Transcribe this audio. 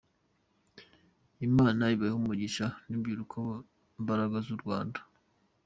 Imana ibahe umugisha rubyiruko mbaraga z’u Rwanda.